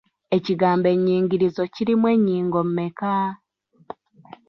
Ekigambo ennyingirizo kirimu ennyingo mmeka?